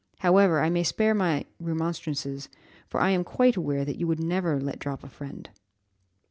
However, I may spare my remonstrances, for I am quite aware that you would never let drop a friend."